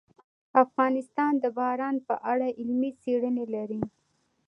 افغانستان د باران په اړه علمي څېړنې لري.